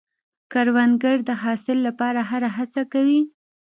کروندګر د حاصل لپاره هره هڅه کوي